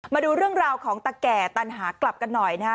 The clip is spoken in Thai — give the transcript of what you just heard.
มาดูเรื่องราวของตะแก่ตันหากลับกันหน่อยนะฮะ